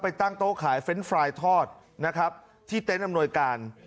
ตั้งโต๊ะขายเฟรนด์ไฟล์ทอดนะครับที่เต็นต์อำนวยการ